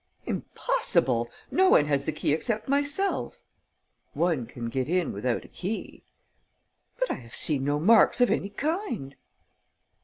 "Impossible! No one has the key except myself." "One can get in without a key." "But I have seen no marks of any kind."